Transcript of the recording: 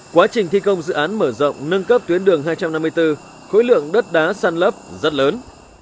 quá trình thi công dự án mở rộng nâng cấp tuyến đường hai trăm năm mươi bốn khối lượng đất đá săn lấp rất lớn